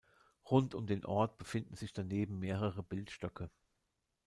Rund um den Ort befinden sich daneben mehrere Bildstöcke.